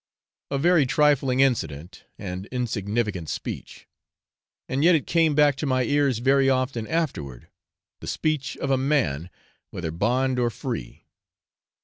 A very trifling incident, and insignificant speech; and yet it came back to my ears very often afterward 'the speech of a man, whether bond or free.'